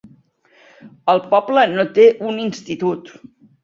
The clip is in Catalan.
El poble no té un institut.